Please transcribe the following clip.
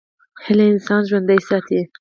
هیله انسان ژوندی ساتي.